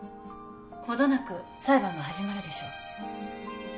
程なく裁判が始まるでしょう。